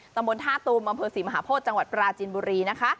ตำบลธาตุบศรีมหาโพธิ์จังหวัดปราจินบุรีนะคะ